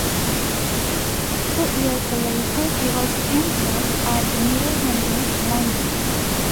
Two years later he was entered at the Middle Temple, London.